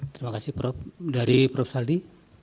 terima kasih prof dari prof saldi